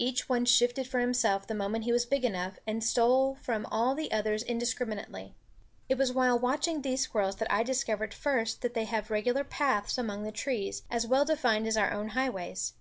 Each one shifted for himself the moment he was big enough, and stole from all the others indiscriminately. It was while watching these squirrels that I discovered first that they have regular paths among the trees, as well defined as our own highways.